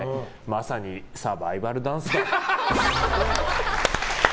まさにサバイバルダンスだ。